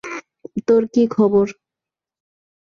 তোর কী খবর?